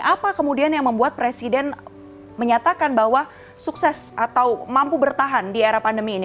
apa kemudian yang membuat presiden menyatakan bahwa sukses atau mampu bertahan di era pandemi ini